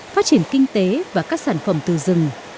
phát triển kinh tế và các sản phẩm từ rừng